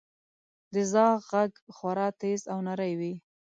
• د زاغ ږغ خورا تیز او نری وي.